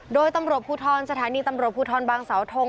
โดยตำรวจภูทรสถานีตำรวจภูทรบางสาวทง